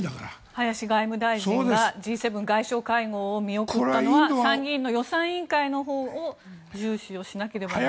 林外務大臣がＧ７外相会合を見送ったのは参議院の予算委員会のほうを重視をしなければいけないと。